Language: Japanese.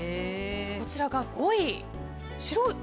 こちらが５位。